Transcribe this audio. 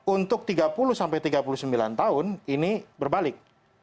untuk tiga puluh sampai tiga puluh sembilan tahun ini berbalik